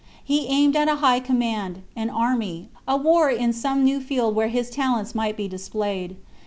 He aimed at a high command, an army, a war in some new field where his talents might be displayed.